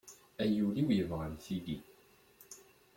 Ay ul-iw yebɣan tigi.